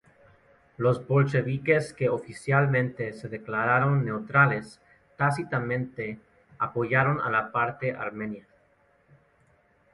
Los bolcheviques que oficialmente se declararon neutrales, tácitamente apoyaron a la parte armenia.